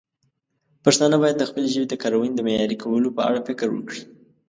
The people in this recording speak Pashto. پښتانه باید د خپلې ژبې د کارونې د معیاري کولو په اړه فکر وکړي.